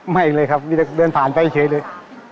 ไม่เลยครับมีแต่เดินผ่านไปเฉยเลย